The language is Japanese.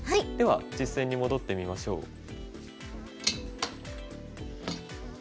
では実戦に戻ってみましょう。